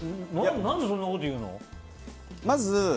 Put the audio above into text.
何でそんなこと言うの？